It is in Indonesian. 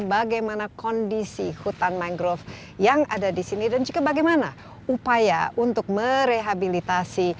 bagaimana kondisi hutan mangrove yang ada di sini dan juga bagaimana upaya untuk merehabilitasi